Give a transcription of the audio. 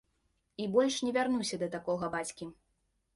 І больш не вярнуся да такога бацькі.